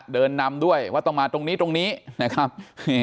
เดินนำด้วยว่าต้องมาตรงนี้ตรงนี้นะครับ